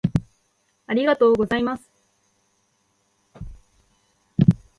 ありがとうございます